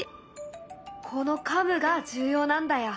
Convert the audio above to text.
このカムが重要なんだよ。